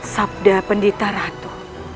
sabda pendita ratu